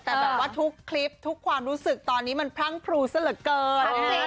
แต่แบบว่าทุกคลิปทุกความรู้สึกตอนนี้มันพรั่งพรูซะเหลือเกิน